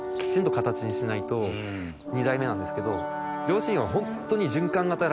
２代目なんですけど。